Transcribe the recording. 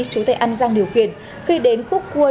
chú tây an giang điều khiển khi đến khúc cua